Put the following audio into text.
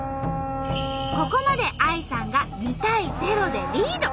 ここまでＡＩさんが２対０でリード！